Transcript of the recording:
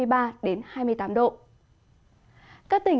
các tỉnh thực hiện